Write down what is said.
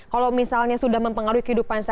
kalau misalnya sudah mempengaruhi kehidupan saya